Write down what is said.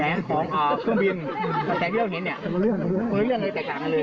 แสงที่เลี่ยวเห็นเนี่ย